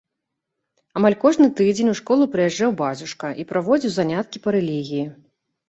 Амаль кожны тыдзень у школу прыязджаў бацюшка і праводзіў заняткі па рэлігіі.